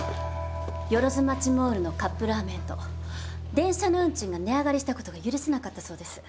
万町モールのカップラーメンと電車の運賃が値上がりしたことが許せなかったそうです。